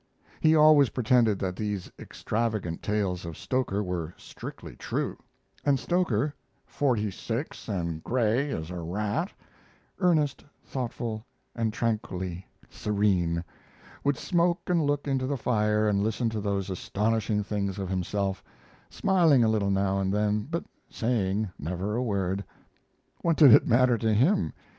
He always pretended that these extravagant tales of Stoker were strictly true; and Stoker "forty six and gray as a rat" earnest, thoughtful, and tranquilly serene, would smoke and look into the fire and listen to those astonishing things of himself, smiling a little now and then but saying never a word. What did it matter to him?